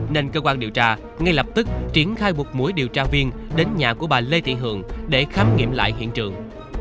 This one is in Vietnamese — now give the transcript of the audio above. nên cơ quan điều tra ngay lập tức triển khai một mũi điều tra viên đến nhà của bà lê thị hường để khám nghiệm lại hiện trường